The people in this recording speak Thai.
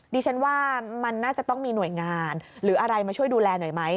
ดิฉันว่ามันน่าจะต้องมีหน่วยงานหรืออะไรมาช่วยดูแลหน่อยไหม